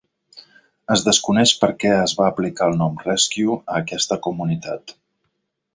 Es desconeix per què es va aplicar el nom Rescue a aquesta comunitat.